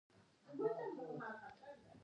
زموږ اخلاق د څوکۍ په ارزښت ولاړ دي.